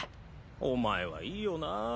お前はいいよな。